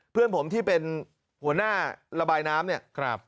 เพื่อนผมที่เป็นหัวหน้าระบายน้ำเนี่ย